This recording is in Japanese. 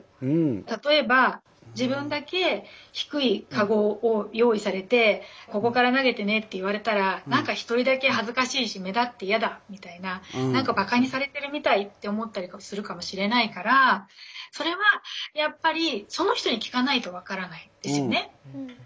例えば自分だけ低いカゴを用意されてここから投げてねって言われたら何か一人だけ恥ずかしいし目立って嫌だみたいな何かばかにされてるみたいって思ったりするかもしれないからそれはやっぱりその人に聞かないと分からないですよね。